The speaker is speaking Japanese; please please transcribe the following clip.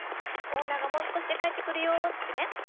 オーナーがもう少しで帰ってくるよってね。